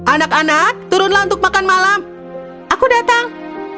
anak anak turunlah untuk makan malam aku datang